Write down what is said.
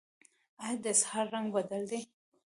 ایا د اسهال رنګ بدل دی؟